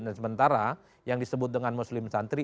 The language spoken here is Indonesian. dan sementara yang disebut dengan muslim santri